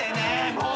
もう！